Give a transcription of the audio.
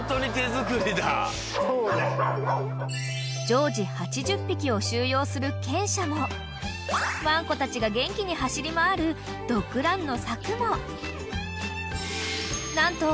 ［常時８０匹を収容する犬舎もワンコたちが元気に走り回るドッグランの柵も何と］